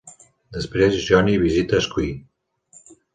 Després, Johnny visita Squee.